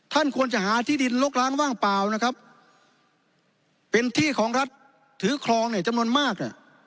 ท่านควรจะหาที่ดินลกล้างว่างเปล่านะครับเป็นที่ของรัฐถือครองเนี่ยจำนวนมากน่ะ